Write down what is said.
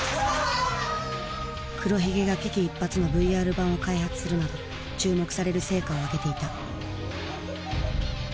黒ひげが危機一髪のＶＲ版を開発するなど注目される成果をあげていた。